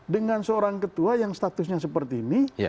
dengan seorang ketua yang statusnya seperti ini